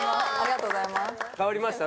変わりました？